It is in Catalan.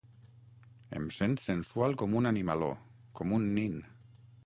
Em sent sensual com un animaló, com un nin.